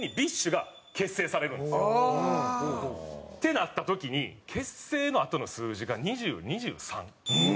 なった時に結成のあとの数字が「２０」「２３」。